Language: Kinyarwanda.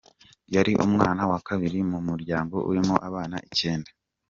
Yari umwana wa kabiri mu muryango urimo abana icyenda.